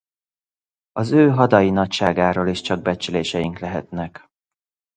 Az ő hadai nagyságáról is csak becsléseink lehetnek.